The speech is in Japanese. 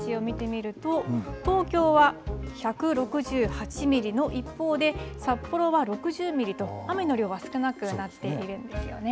６月の降水量、平年値を見てみると、東京は１６８ミリの一方で、札幌は６０ミリと、雨の量は少なくなっているんですよね。